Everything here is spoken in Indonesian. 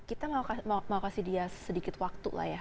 kita mau kasih dia sedikit waktu lah ya